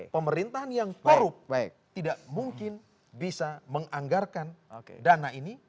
pemerintahan yang korup tidak mungkin bisa menganggarkan dana ini